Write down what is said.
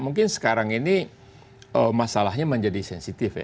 mungkin sekarang ini masalahnya menjadi sensitif ya